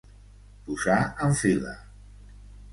Posar en fila.